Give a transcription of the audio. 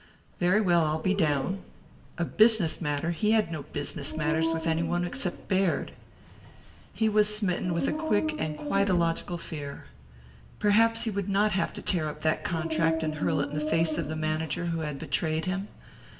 "Very well, I'll be down." A business matter? He had no business matters with any one except Baird. He was smitten with a quick and quite illogical fear. Perhaps he would not have to tear up that contract and hurl it in the face of the manager who had betrayed him.